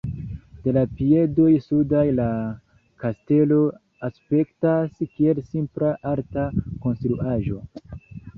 De la piedoj sudaj la kastelo aspektas kiel simpla alta konstruaĵo.